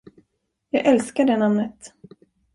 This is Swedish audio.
Jag älskar det namnet.